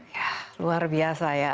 ya luar biasa ya